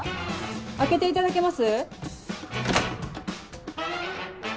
開けていただけます？